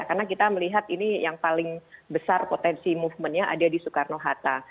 karena kita melihat ini yang paling besar potensi movementnya ada di soekarno hatta